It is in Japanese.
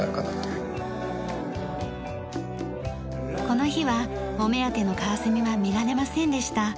この日はお目当てのカワセミは見られませんでした。